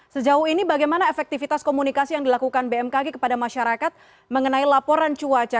sejauh ini bagaimana efektivitas komunikasi yang dilakukan bmkg kepada masyarakat mengenai laporan cuaca